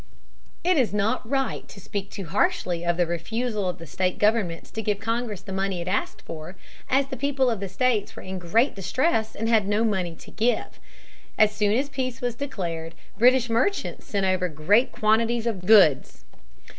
It is not right to speak too harshly of the refusal of the state governments to give Congress the money it asked for, as the people of the states were in great distress and had no money to give. As soon as peace was declared British merchants sent over great quantities of goods.